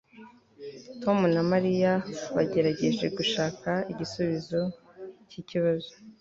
tom na mariya bagerageje gushaka igisubizo cyikibazo